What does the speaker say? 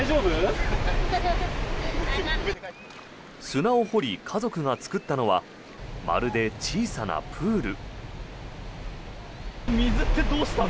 砂を掘り、家族が作ったのはまるで小さなプール。